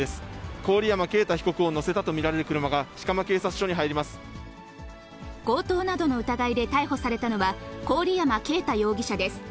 郡山啓太被告を乗せたと見られる車が、強盗などの疑いで逮捕されたのは、郡山啓太容疑者です。